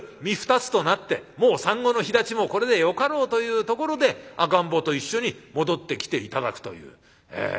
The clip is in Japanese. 身二つとなってもう産後の肥立ちもこれでよかろうというところで赤ん坊と一緒に戻ってきて頂くという。